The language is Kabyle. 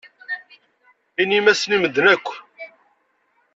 Inim-asen i medden akk.